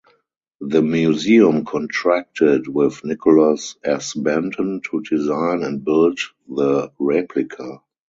The museum contracted with Nicholas S. Benton to design and build the replica.